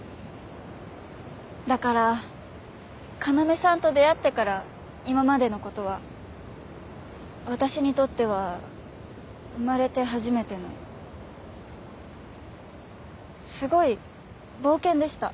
だから要さんと出会ってから今までのことは私にとっては生まれて初めてのすごい冒険でした。